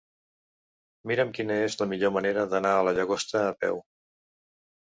Mira'm quina és la millor manera d'anar a la Llagosta a peu.